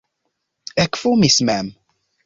Ekfumis mem.